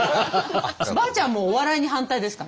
ばあちゃんはもうお笑いに反対ですから。